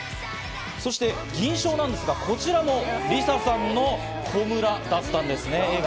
そして銀賞なんですが、こちらもＬｉＳＡさんの『炎』だったんですね。